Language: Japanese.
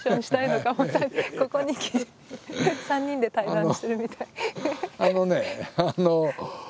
ここに来て３人で対談してるみたい。